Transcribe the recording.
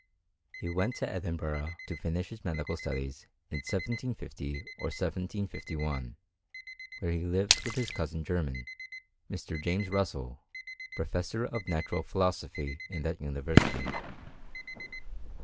He went to Edinburgh to finish his medical studies in 1 750 or 1 75 1 , where he lived with his cousin german^ Mr. James Russel, professor of natural philosophy in that university.